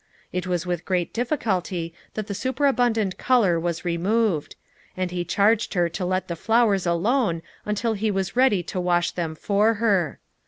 It was with great difficulty that the superabundant color was removed; and he charged her to let the flowers alone till he was ready to wash them for her.